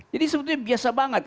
jadi sebenarnya biasa sekali